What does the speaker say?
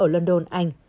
ở london anh